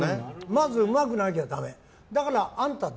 まずうまくなきゃダメ。